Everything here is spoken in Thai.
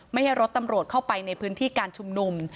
ไม่ให้รถตำรวจเข้าไปในพื้นที่การชุมนุม